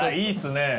いいっすね。